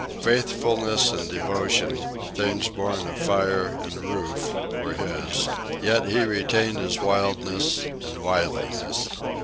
Faithfulness and devotion, things born of fire and roof, were his; yet he retained his wildness and wiliness.